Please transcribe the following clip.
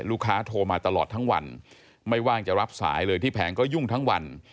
โทรมาตลอดทั้งวันไม่ว่างจะรับสายเลยที่แผงก็ยุ่งทั้งวัน